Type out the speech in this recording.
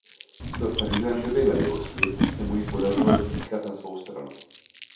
K Ferdinandově nelibosti se mu ji podařilo získat na svou stranu.